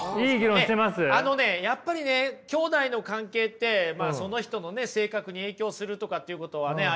あのねやっぱりねきょうだいの関係ってその人の性格に影響するとかっていうことはありますしね。